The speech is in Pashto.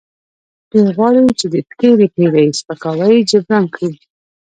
دوی غواړي چې د تیرې پیړۍ سپکاوی جبران کړي.